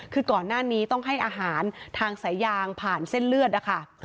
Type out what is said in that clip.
คือก่อนหน้านี้ต้องให้อาหารทางสายยางผ่านเส้นเลือดนะคะ